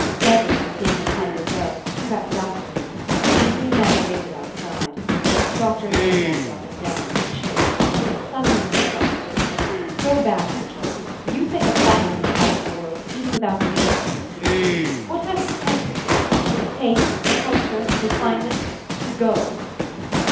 Deborah, seeing the puddler go, crept after him. The three men waited outside. Doctor May walked up and down, chafed. Suddenly he stopped. "Go back, Mitchell! You say the pocket and the heart of the world speak without meaning to these people. What has its head to say? Taste, culture, refinement? Go!"